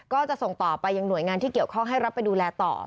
ก็จะส่งต่อไปยังหน่วยงานที่เกี่ยวข้องให้รับไปดูแลต่อ